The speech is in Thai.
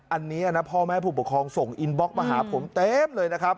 อันนี้นะพ่อแม่ผู้ปกครองส่งอินบล็อกมาหาผมเต็มเลยนะครับ